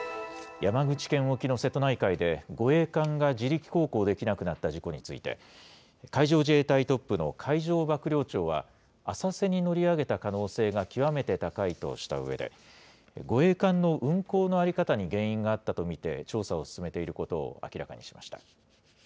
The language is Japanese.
山口県沖の瀬戸内海で、護衛艦が自力航行できなくなった事故について、海上自衛隊トップの海上幕僚長は、浅瀬に乗り上げた可能性が極めて高いとしたうえで、護衛艦の運航の在り方に原因があったと見て調査を進めていることを明らかにしました。